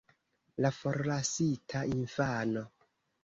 La forlasita infano.